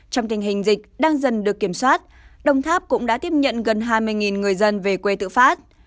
trong tình hình dịch đang dần được kiểm soát đồng tháp cũng đã tiếp nhận gần hai mươi người dân về quê tự phát